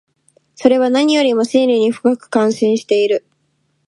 それは何よりも真理に深く関心している。